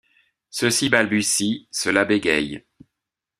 Ceux-ci balbutient, ceux-là bégayent.